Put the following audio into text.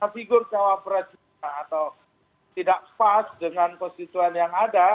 figur cawapres tidak pas dengan posisi yang ada